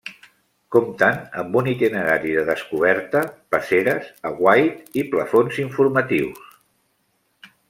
Compten amb un itinerari de descoberta, passeres, aguait i plafons informatius.